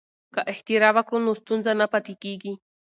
که اختراع وکړو نو ستونزه نه پاتې کیږي.